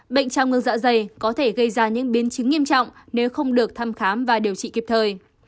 bệnh trào ngược dạ dày có thể gây ra những biến chứng nghiêm trọng nếu không được thăm khám và điều trị kịp thời